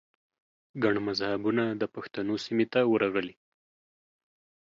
ګڼ مذهبونه د پښتنو سیمې ته ورغلي